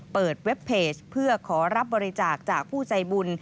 เว็บเพจเพื่อขอรับบริจาคจากผู้ใจบุญ